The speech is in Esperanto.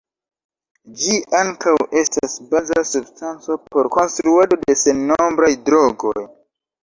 Ĝi ankaŭ estas baza substanco por konstruado de sennombraj drogoj.